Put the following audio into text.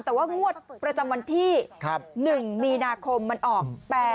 ๙๕๘๓แต่ว่างวดประจำวันที่๑มีนาคมมันออก๘๓๕๕๓๘